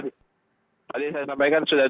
tadi saya sampaikan sudah dua puluh enam unit